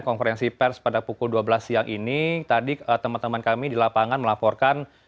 konferensi pers pada pukul dua belas siang ini tadi teman teman kami di lapangan melaporkan